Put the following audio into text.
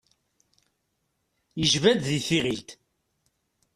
Yejba-d di tiɣilt.